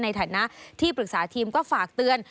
ในฐานะที่ปรึกษาทีมก็ฝากเตือน